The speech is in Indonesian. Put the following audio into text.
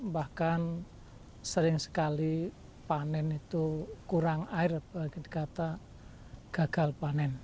bahkan sering sekali panen itu kurang air bagi kata gagal panen